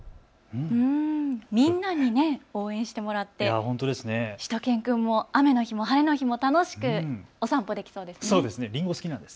みんなに応援してもらって、しゅと犬くんも雨の日も晴れの日も楽しくお散歩できそうですね。